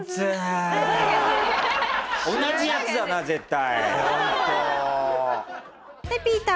同じヤツだな絶対。